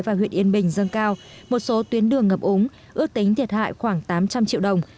và huyện yên bình dâng cao một số tuyến đường ngập úng ước tính thiệt hại khoảng tám trăm linh triệu đồng